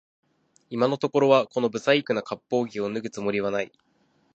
今のところはこの不細工な割烹着を脱ぐつもりはない